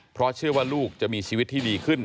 เพราะเชื่อว่าลูกจะมีชีวิตที่ดีขึ้น